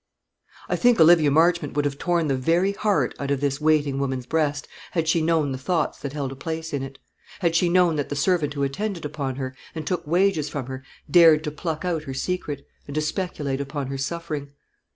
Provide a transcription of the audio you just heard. I think Olivia Marchmont would have torn the very heart out of this waiting woman's breast, had she known the thoughts that held a place in it: had she known that the servant who attended upon her, and took wages from her, dared to pluck out her secret, and to speculate upon her suffering.